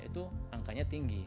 itu angkanya tinggi